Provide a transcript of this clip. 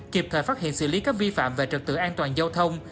kịp thời phát hiện xử lý các vi phạm về trực tự an toàn giao thông